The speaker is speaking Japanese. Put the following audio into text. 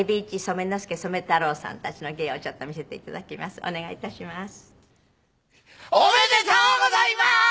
おめでとうございまーす！